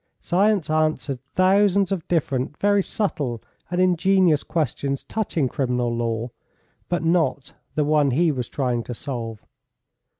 Science answered thousands of different very subtle and ingenious questions touching criminal law, but not the one he was trying to solve.